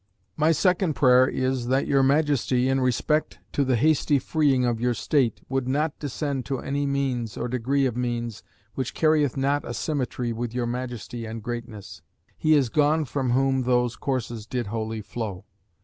"My second prayer is, that your Majesty in respect to the hasty freeing of your state would not descend to any means, or degree of means, which carrieth not a symmetry with your Majesty and greatness. _He is gone from whom those courses did wholly flow.